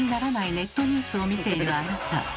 ネットニュースを見ているあなた。